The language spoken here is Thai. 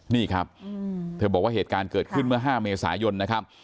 นี่ครับเธอบอกว่าเหตุการณ์เกิดขึ้นเมื่อ๕เมษายนนะครับ